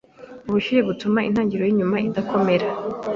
Ubushyuhe butuma intangiriro yinyuma idakomera